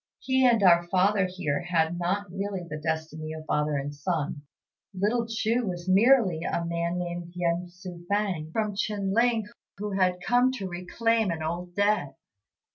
He and our father here had not really the destiny of father and son. Little Chu was merely a man named Yen Tzŭ fang, from Chin ling, who had come to reclaim an old debt."